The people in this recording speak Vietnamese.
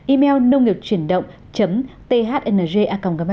email nông nghiệpchuyenđộng thnj com